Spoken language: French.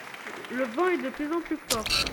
Le vent est de plus en plus fort.